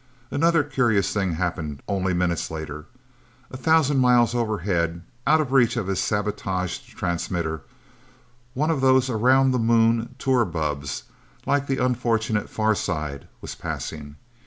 Another curious thing happened, only minutes later. A thousand miles overhead, out of reach of his sabotaged transmitter, one of those around the Moon tour bubbs, like the unfortunate Far Side, was passing.